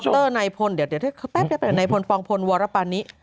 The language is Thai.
ดรนายพลนายพลฟองพลวรปานิ